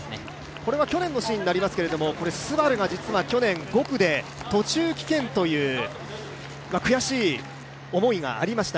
これは去年のシーンになりますが、ＳＵＢＡＲＵが５区で途中棄権という、悔しい思いがありました。